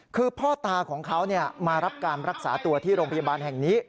คือพ่อตาของเขามารับการรักษาตัวที่โรงพยาบาลแห่งนี้